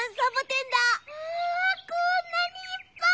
こんなにいっぱい！